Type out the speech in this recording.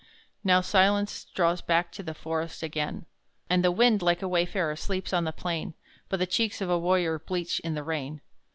Now silence draws back to the forest again, And the wind, like a wayfarer, sleeps on the plain, But the cheeks of a warrior bleach in the rain.